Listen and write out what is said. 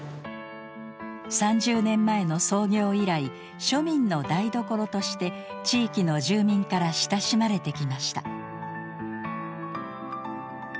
３０年前の創業以来庶民の台所として地域の住民から親しまれてきました。